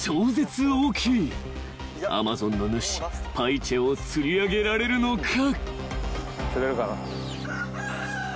［アマゾンの主パイチェを釣り上げられるのか］